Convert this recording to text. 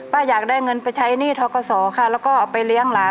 อยากได้เงินไปใช้หนี้ทกศค่ะแล้วก็เอาไปเลี้ยงหลาน